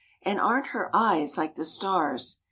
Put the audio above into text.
And aren't her eyes like the stars?